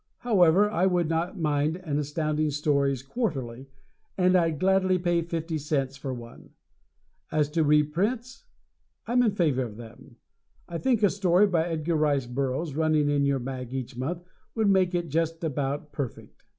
However, I would not mind an Astounding Stories quarterly, and I'd gladly pay fifty cents for one. As to reprints, I'm in favor of them. I think a story by Edgar Rice Burroughs running in your mag each month would make it just about perfect.